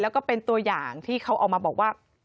แล้วก็เป็นตัวอย่างที่เขาออกมาบอกว่า